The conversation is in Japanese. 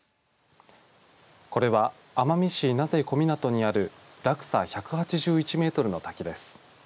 これは奄美市名瀬小湊にある落差１８１メートルの滝です。